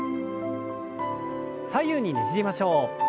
左右にねじりましょう。